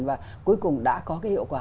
và cuối cùng đã có cái hiệu quả